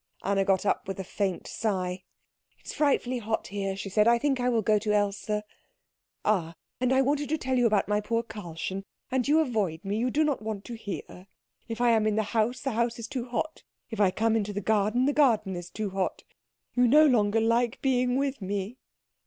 Anna got up with a faint sigh. "It is frightfully hot here," she said; "I think I will go to Else." "Ah and I wanted to tell you about my poor Karlchen and you avoid me you do not want to hear. If I am in the house, the house is too hot. If I come into the garden, the garden is too hot. You no longer like being with me."